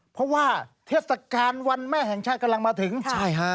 เพราะว่าเทศกาลวันแม่แห่งชาติกำลังมาถึงใช่ฮะ